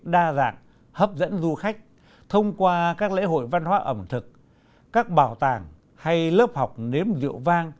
đa dạng hấp dẫn du khách thông qua các lễ hội văn hóa ẩm thực các bảo tàng hay lớp học nếm rượu vang